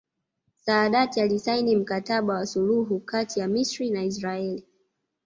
Saadat alisaini Mkataba wa suluhu kati ya Misri na Israeli